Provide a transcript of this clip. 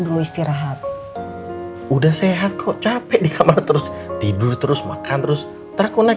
dulu istirahat udah sehat kok capek di kamar terus tidur terus makan terus takut naik